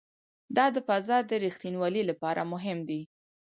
دا د فضا د ریښتینولي لپاره مهم دی.